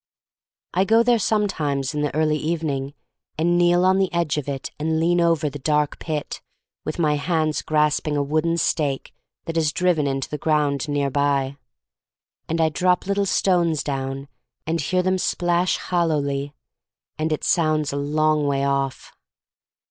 129 130 THE STORY OF MARY MAC LANB 1 go there sometimes in the early evening, and kneel on the edge of it and lean over the dark pit, with my hand grasping a wooden stake that is driven into the ground near by. And I drop little stones down and hear them splash hollowly, and it sounds a long way off.